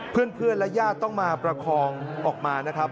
เพื่อนและญาติต้องมาประคองออกมานะครับ